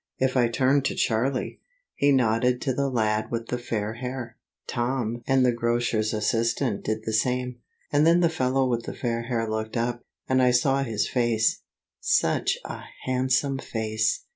If I turned to Charlie, he nodded to the lad with the fair hair. Tom and the grocer's assistant did the same. And then the fellow with the fair hair looked up, and I saw his face such a handsome face!